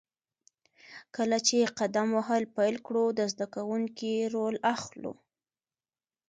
کله چې قدم وهل پیل کړو، د زده کوونکي رول اخلو.